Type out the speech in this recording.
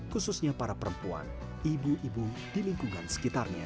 khususnya para perempuan ibu ibu di lingkungan sekitarnya